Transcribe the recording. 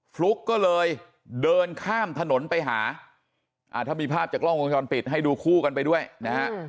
ฟลุ๊กก็เลยเดินข้ามถนนไปหาถ้ามีภาพจากกล้องวงจรปิดให้ดูคู่กันไปด้วยนะฮะ